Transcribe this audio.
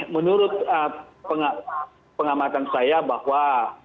menurut pengamatan saya bahwa